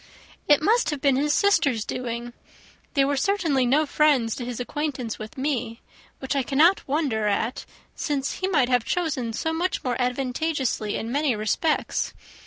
"It must have been his sisters' doing. They were certainly no friends to his acquaintance with me, which I cannot wonder at, since he might have chosen so much more advantageously in many respects.